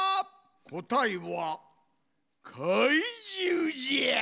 こたえは「かいじゅう」じゃ。